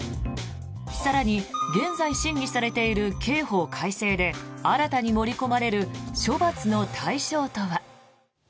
更に、現在審議されている刑法改正で新たに盛り込まれる処罰の対象とは。